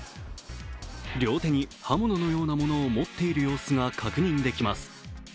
両手に刃物のようなものを持っている様子が確認できます。